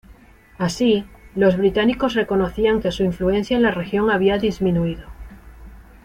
Así, los británicos reconocían que su influencia en la región había disminuido.